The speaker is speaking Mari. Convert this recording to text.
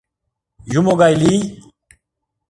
Юмо гай лий!